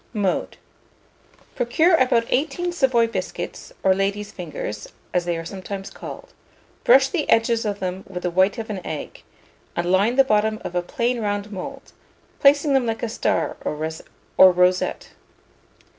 Mode. Procure about 18 Savoy biscuits, or ladies' fingers, as they are sometimes called; brush the edges of them with the white of an egg, and line the bottom of a plain round mould, placing them like a star or rosette.